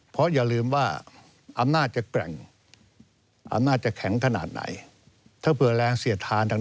เพราะอย่าลืมว่าอำน่าจะแปลงอำน่าจะแข็งขนาดไหน